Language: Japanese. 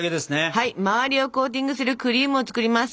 はい周りをコーティングするクリームを作ります。